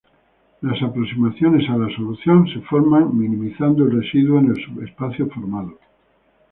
Las aproximaciones a la solución se forman minimizando el residuo en el subespacio formado.